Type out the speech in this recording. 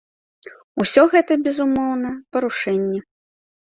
Усё гэта, безумоўна, парушэнні.